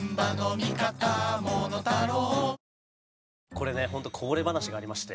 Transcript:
これね本当こぼれ話がありまして。